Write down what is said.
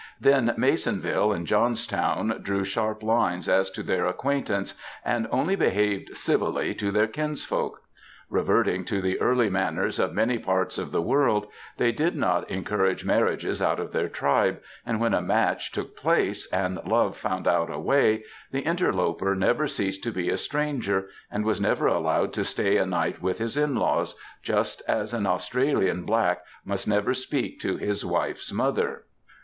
Then, Masonville and Johnstown drew sharp lines as to their acquaintance, and only behaved civilly to their kins folk. Reverting to the early manners of many parts of the world, they did not encourage marriages out of their tribe, and when a match took place, and ^^ love found out a way," the interloper never ceased to be a stranger, and was never allowed to stay a night with his "in laws," just as an Australian black must never speak to his wife's mother.